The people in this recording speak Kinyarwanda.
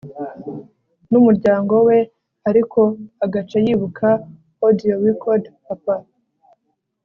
numuryango we……ariko agaca yibuka audiorecord Papa